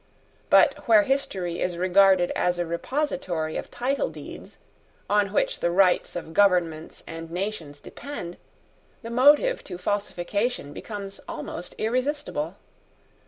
But where history is regarded as a repository of titledeeds, on which the rights of governments and nations depend, the motive to falsification becomes almost irresistible.